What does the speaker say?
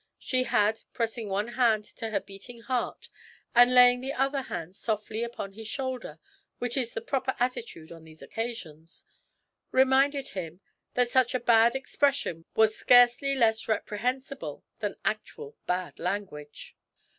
she had, pressing one hand to her beating heart and laying the other hand softly upon his shoulder (which is the proper attitude on these occasions), reminded him that such an expression was scarcely less reprehensible than actual bad language.